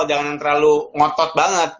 jangan terlalu ngotot banget